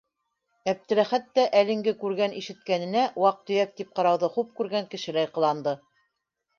Әптеләхәт тә әлеңге күргән-ишеткәненә ваҡ-төйәк тип ҡарауҙы хуп күргән кешеләй ҡыланды: